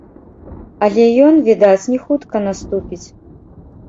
Але ён, відаць, не хутка наступіць.